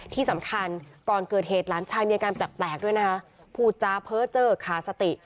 ที่สำคัญก่อนเกิดเหตุหลานชายมีอาการแปลกด้วยนะคะพูดจาเพ้อเจอขาดสติ